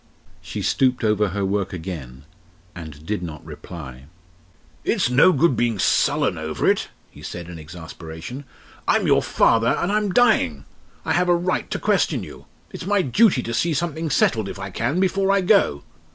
She stooped over her work again, and did not reply. "It's no good being sullen over it," he said in exasperation; "I'm your father, and I'm dying. I have a right to question you. It's my duty to see something settled, if I can, before I go.